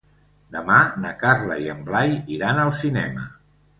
Demà na Carla i en Blai iran al cinema.